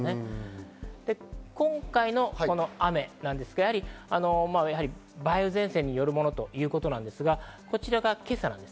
今回のこの雨ですけど、梅雨前線によるものということなんですが、こちらが今朝です。